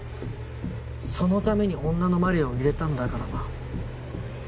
そのために女のマリアを入れたんだからな。